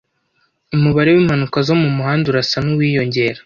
Umubare wimpanuka zo mumuhanda urasa nuwiyongera.